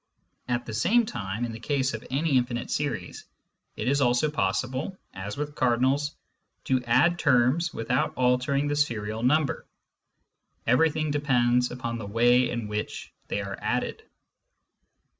At the same time, in the case of any infinite series it is also possible, as with cardinals, to add terms without altering the serial number : everything depends upon the way in which they are added.